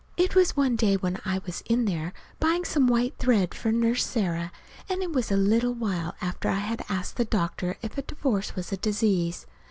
It was one day when I was in there buying some white thread for Nurse Sarah, and it was a little while after I had asked the doctor if a divorce was a disease.